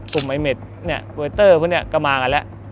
กลุ่มไอเมดเนี่ยเวเตอร์พวกนี้ก็มากันแล้ว